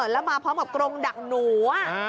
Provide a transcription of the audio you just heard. แล้วมาพร้อมกับกรงดักหนู